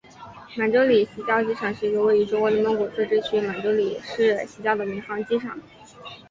满洲里西郊机场是一个位于中国内蒙古自治区满洲里市西郊的民航机场。